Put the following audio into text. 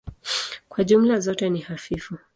Kwa jumla zote ni hafifu.